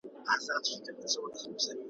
څنگه هېر کم پر دې لار تللي کلونه `